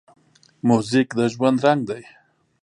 موزیک د ژوند رنګ دی.